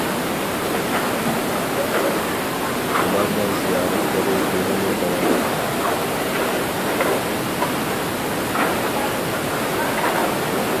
ئۇلارنىڭ زىيارەتلىرى ھېلىمۇ داۋام قىلىۋاتىدۇ.